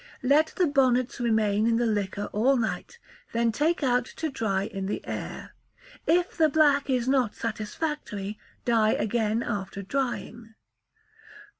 Let the bonnets remain in the liquor all night, then take out to dry in the air. If the black is not satisfactory, dye again after drying.